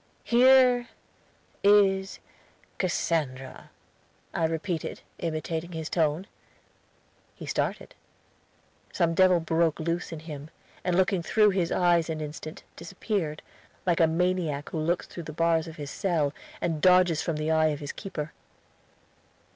"Here is Cassandra," I repeated, imitating his tone. He started. Some devil broke loose in him, and looking through his eyes an instant, disappeared, like a maniac who looks through the bars of his cell, and dodges from the eye of his keeper.